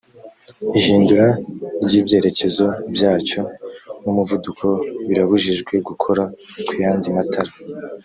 ihindura ry’ibyerekezo byacyo n’umuvuduko birabujijwe gukora ku yandi matara